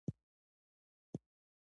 ځمکه د سختو توپيرونو کور دی.